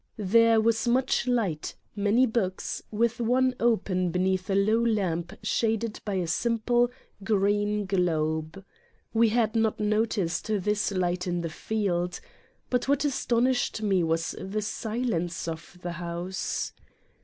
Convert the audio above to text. There was much light, many books, with one open beneath a low lamp shaded by a simple, green globe. We had not no ticed this light in the field. But what astonished me was the silence of the house.